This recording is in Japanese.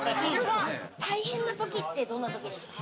大変なときってどんなときですか？